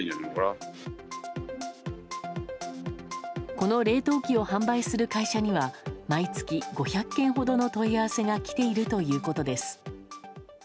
この冷凍機を販売する会社には毎月５００件ほどの問い合わせが来ているということです。